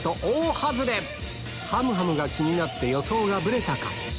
はむはむが気になって予想がブレたか？